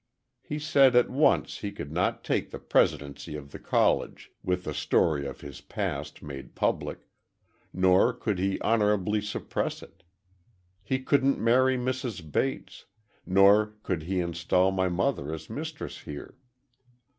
He said, at once, he could not take the Presidency of the College, with the story of his past made public, nor could he honorably suppress it. He couldn't marry Mrs. Bates—nor could he instal my mother as mistress here.